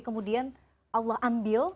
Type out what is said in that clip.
kemudian allah ambil